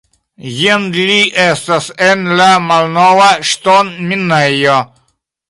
Jen li estas, en la malnova, ŝtonminejo.